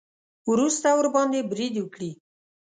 وروسته ورباندې برید وکړي.